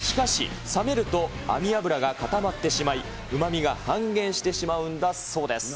しかし、冷めると網脂が固まってしまい、うまみが半減してしまうんだそうです。